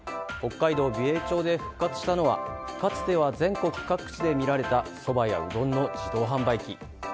北海道美瑛町で復活したのはかつては全国各地で見られたそばやうどんの自動販売機。